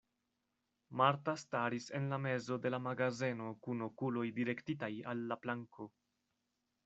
Marta staris en la mezo de la magazeno kun okuloj direktitaj al la planko.